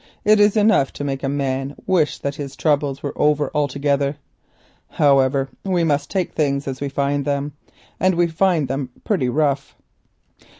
It is enough to make a man wish that his worries were over altogether. However, we must take things as we find them, and we find them pretty rough.